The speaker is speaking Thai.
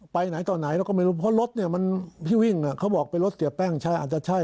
ไปไหนต่อไหนก็รู้ก็ไม่รู้เพราะรถมันพี่วิ่งกาบอกไปรถเสียแป้งอาจจะใช่